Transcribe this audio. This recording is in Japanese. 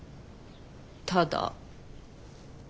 ただ。